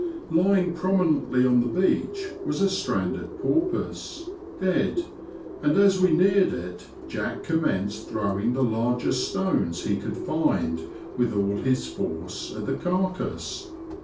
Lying prominently on the beach was a stranded porpoise, dead, and as we neared it Jack commenced throwing the largest stones he could find, with all his force, at the carcase.